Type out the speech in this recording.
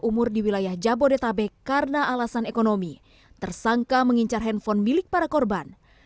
umur di wilayah jabodetabek karena alasan ekonomi tersangka mengincar handphone milik para korban